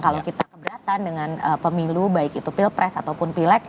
kalau kita keberatan dengan pemilu baik itu pilpres ataupun pileg